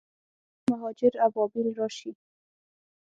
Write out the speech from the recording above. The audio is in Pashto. کاشکي، مهاجر ابابیل راشي